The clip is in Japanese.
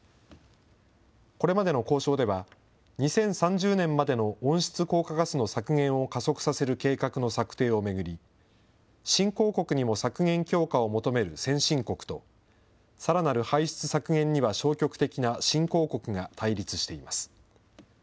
これまでの交渉では、２０３０年までの温室効果ガスの削減を加速させる計画の策定を巡り、新興国にも削減強化を求める先進国と、さらなる排出削減には消極的な新興国が対立しています。